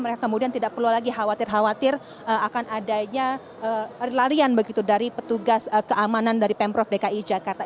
mereka kemudian tidak perlu lagi khawatir khawatir akan adanya larian begitu dari petugas keamanan dari pemprov dki jakarta